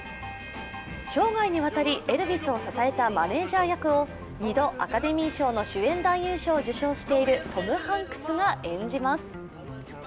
生涯にわたり、エルヴィスを支えたマネージャー役を２度アカデミーの主演男優賞を受賞しているトム・ハンクスが演じます。